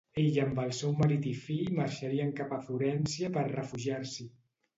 Ella amb el seu marit i fill marxarien cap a Florència per refugiar-s'hi.